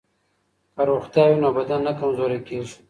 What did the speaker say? که روغتیا وي نو بدن نه کمزوری کیږي.